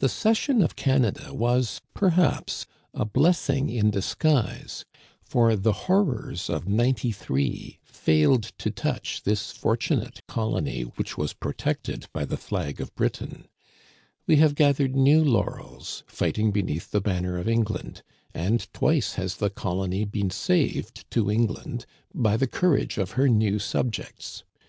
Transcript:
The cession of Canada was, perhaps, a blessing in disguise ; for the horrors of '93 failed to touch this fortu nate colony which was protected by the flag of Britain. We have gathered new laurels, fighting beneath the ban ner of England • and twice has the colony been saved to Digitized by VjOOQIC THE BURNING OF THE SOUTH SHORE. 169 England by the courage of her new subjects.